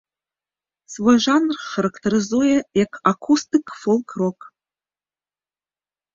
Свой жанр характарызуе як акустык-фолк-рок.